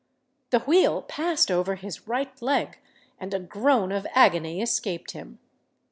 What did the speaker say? The wheel passed over his right leg; and a groan of agony escaped him.